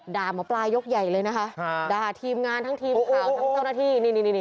ด่าหมอปลายกใหญ่เลยนะคะด่าทีมงานทั้งทีมข่าวทั้งเจ้าหน้าที่นี่นี่